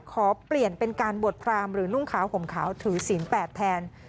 ขอเปลี่ยนเป็นการบวชพรามหรือนุ่งขาวห่มขาวถือศีลแปดแทน